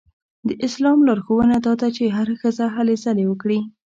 د اسلام لارښوونه دا ده چې هره ښځه هلې ځلې وکړي.